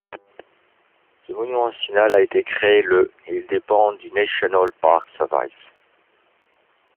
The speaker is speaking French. Ce monument national a été créé le et il dépend du National Park Service.